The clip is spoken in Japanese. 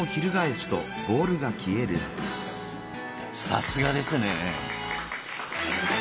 さすがですね！